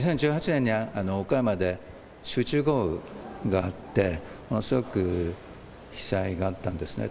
２０１８年に岡山で集中豪雨があって、すごく被災があったんですね。